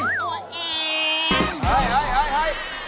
ตัวเอง